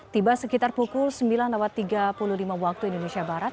tiba sekitar pukul sembilan tiga puluh lima waktu indonesia barat